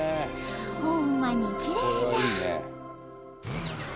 ほんまにきれいじゃ。